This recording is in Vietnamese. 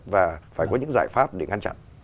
và phải có những giải pháp để ngăn chặn